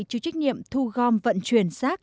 chủ trách nhiệm thu gom vận chuyển rác